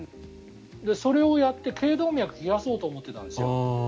それをやって頸動脈を冷やそうと思っていたんですよ。